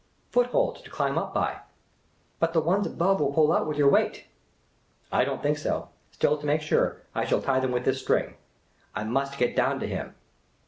'' Footholds, to climb up by. ''*' But the ones above will pull out with your weight." " I don't think so. Still, to make sure, I shall tie them with this string, I fnusf get down to him."